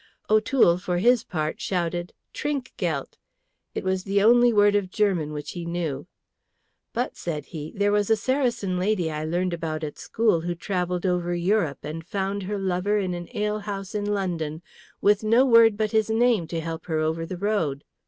O'Toole, for his part, shouted, "Trinkgeldt!" It was the only word of German which he knew. "But," said he, "there was a Saracen lady I learned about at school who travelled over Europe and found her lover in an alehouse in London, with no word but his name to help her over the road.